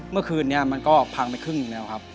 เมื่อคืนนี้มันก็พังไปครึ่งหนึ่งแล้วครับ